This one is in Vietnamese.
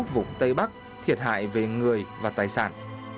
vùng tây bắc thiệt hại về người và tài sản